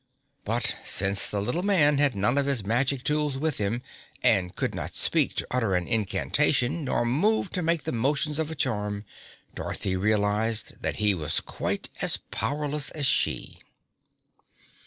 But since the little man had none of his magic tools with him, and could not speak to utter an incantation, nor move to make the motions of a charm, Dorothy realized that he was quite as powerless as she.